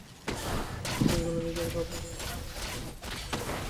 তিনি সেগুলো নিজের কাপড়ে ভরে রাখতে থাকেন।